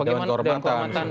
pada yang kehormatan